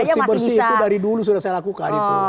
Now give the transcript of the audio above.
bersih bersih itu dari dulu sudah saya lakukan itu